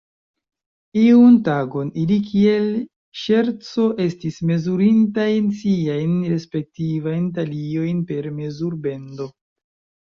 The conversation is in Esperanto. Iun tagon ili kiel ŝerco estis mezurintaj siajn respektivajn taliojn per mezurbendo.